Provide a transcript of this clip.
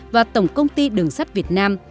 và tổng công ty đường sắt việt nam